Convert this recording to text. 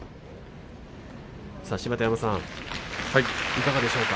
芝田山さん、いかがでしょうか。